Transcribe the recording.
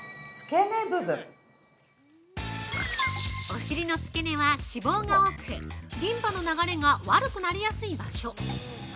◆お尻のつけ根は脂肪が多くリンパの流れが悪くなりやすい場所。